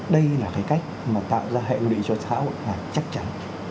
đây là cái cách mà tạo ra hẹn định cho xã hội là chắc chắn